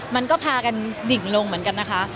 มันก็พากันดิ่งลงเหมือนกันนะคะ